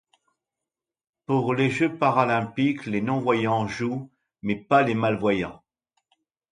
Pour les jeux paralympiques les non-voyants jouent mais pas les malvoyants.